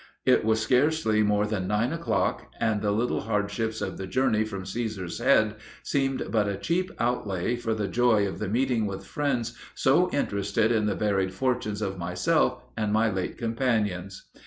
It was scarcely more than nine o'clock, and the little hardships of the journey from Cæsar's Head seemed but a cheap outlay for the joy of the meeting with friends so interested in the varied fortunes of myself and my late companions.